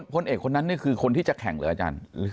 พลเอกคนนั้นนี่คือคนที่จะแข่งเหรออาจารย์